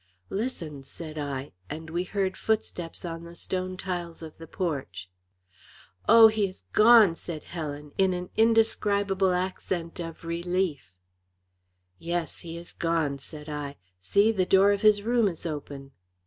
"Listen," said I, and we heard footsteps on the stone tiles of the porch. "Oh, he is gone!" said Helen, in an indescribable accent of relief. "Yes, gone," said I. "See, the door of his room is open."